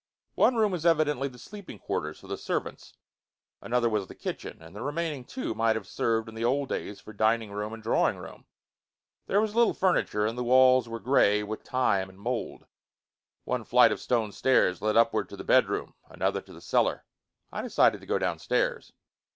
One room was evidently the sleeping quarters for the servants; another was the kitchen, and the remaining two might have served in the old days for dining room and drawing room. There was little furniture, and the walls were gray with time and mold. One flight of stone stairs led upward to the bedroom, another to the cellar. I decided to go downstairs.